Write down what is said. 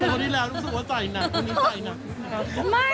ตอนนี้แล้วอย่างนึงสิว่าใส่หนัก